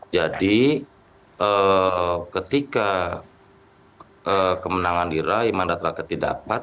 jadi ketika kemenangan diraih mandat rakyat didapat